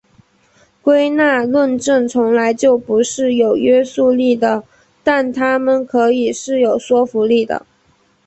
归纳论证从来就不是有约束力的但它们可以是有说服力的。